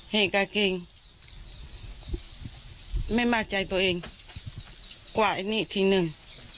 เห็นกับกินไม่มาใจตัวเองกว่าอันนี้ทีนึง